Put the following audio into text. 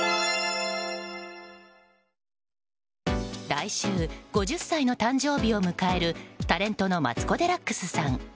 来週、５０歳の誕生日を迎えるタレントのマツコ・デラックスさん。